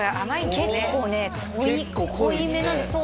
結構ね濃いめなんです